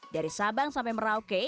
dari sabang sampai merauke